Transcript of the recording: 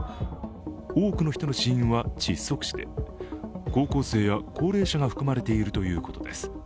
多くの人の死因は窒息死で高校生や高齢者が含まれているということです。